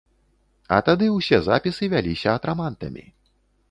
А тады ўсе запісы вяліся атрамантамі.